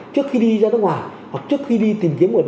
trước khi đi ra nước ngoài hoặc trước khi đi tìm kiếm